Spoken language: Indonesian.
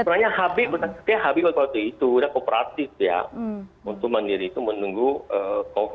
sebenarnya habib saya pikir habib waktu itu sudah kooperatif ya untuk mandiri itu menunggu covid sembilan belas